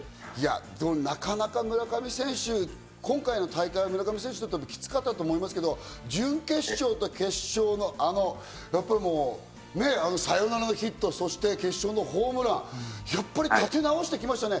なかなか村上選手、今回の大会きつかったと思いますけど、準決勝と決勝のサヨナラのヒット、そして決勝のホームラン、やっぱり立て直してきましたね。